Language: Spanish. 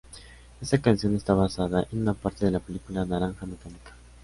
Esta canción está basada en una parte de la película Naranja mecánica.